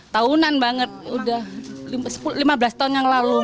tahunan banget udah lima belas tahun yang lalu